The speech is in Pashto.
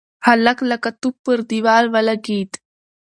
هلک لکه توپ پر دېوال ولگېد.